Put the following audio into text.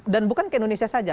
dan bukan ke indonesia saja